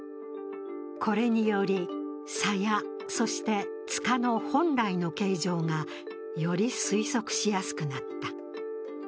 これにより、さや、そしてつかの本来の形状がより推測しやすくなった。